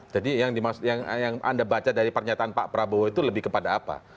jadi yang anda baca dari pernyataan pak prabowo itu lebih kepada apa